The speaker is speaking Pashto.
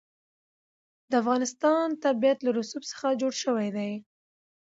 د افغانستان طبیعت له رسوب څخه جوړ شوی دی.